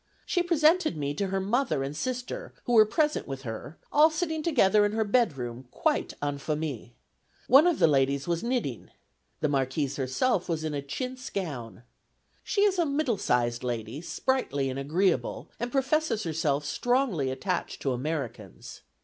She presented me to her mother and sister, who were present with her, all sitting together in her bed room, quite en famille. One of the ladies was knitting. The Marquise herself was in a chintz gown. She is a middle sized lady, sprightly and agreeable; and professes herself strongly attached to Americans.